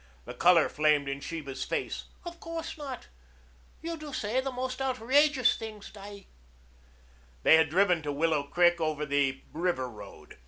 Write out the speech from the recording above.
The color flamed into Sheba's face. "Of course not. You do say the most outrageous things, Di." They had driven to Willow Creek over the river road.